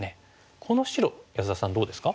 この白安田さんどうですか？